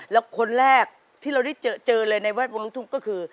แล้วคนแรกที่เราได้เจอเลยในแวดวงลูกทุ่งก็คือ